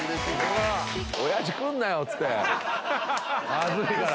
恥ずいから。